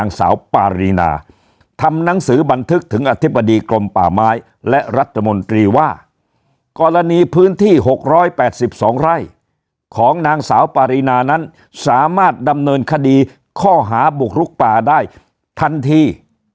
นางสาวปารีนาทำหนังสือบันทึกถึงอธิบดีกรมป่าไม้และรัฐมนตรีว่ากรณีพื้นที่๖๘๒ไร่ของนางสาวปารีนานั้นสามารถดำเนินคดีข้อหาบุกลุกป่าได้ทันที